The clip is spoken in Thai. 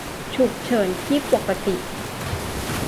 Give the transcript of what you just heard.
"ฉุกเฉินที่ปกติ"